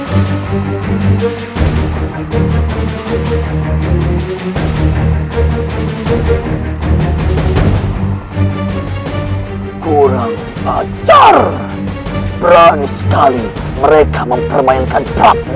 aku dengan baju seperti itu